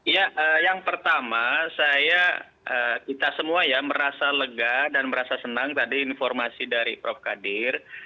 ya yang pertama saya kita semua ya merasa lega dan merasa senang tadi informasi dari prof kadir